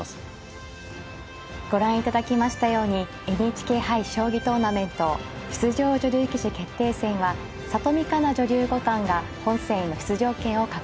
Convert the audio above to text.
ご覧いただきましたようにＮＨＫ杯将棋トーナメント出場女流棋士決定戦は里見香奈女流五冠が本戦への出場権を獲得しました。